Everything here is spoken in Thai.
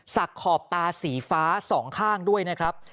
ขอบตาสีฟ้าสองข้างด้วยนะครับ